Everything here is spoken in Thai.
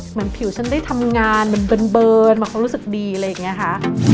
เหมือนผิวฉันได้ทำงานมันเบิร์นเหมือนเขารู้สึกดีอะไรอย่างนี้ค่ะ